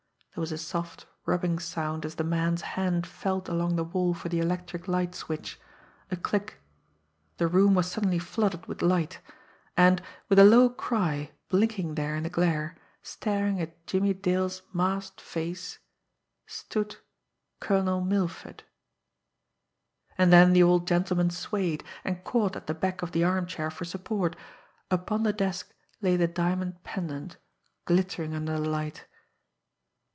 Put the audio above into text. There was a soft, rubbing sound as the man's hand felt along the wall for the electric light switch, a click, the room was suddenly flooded with light; and, with a low cry, blinking there in the glare, staring at Jimmie Dale's masked face stood Colonel Milford. And then the old gentleman swayed, and caught at the back of the armchair for support upon the desk lay the diamond pendant, glittering under the light.